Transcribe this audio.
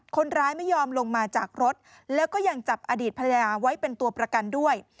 คนร้ายไม่ยอมลงมาจากรถแล้วก็ยังจับอดีตภรรยาไว้เป็นตัวประกันด้วย